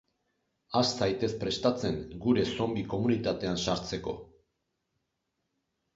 Has zaitez prestatzen gure zonbi komunitatean sartzeko!